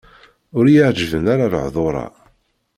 Ur yi-εǧiben ara lehdur-a.